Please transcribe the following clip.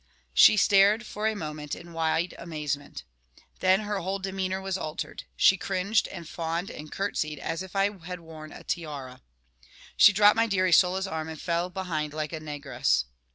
She stared, for a moment, in wide amazement; then her whole demeanour was altered. She cringed, and fawned, and curtseyed, as if I had worn a tiara. She dropped my dear Isola's arm, and fell behind like a negress.